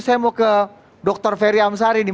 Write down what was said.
saya mau ke dr ferry amsari nih